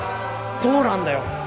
どうなんだよ。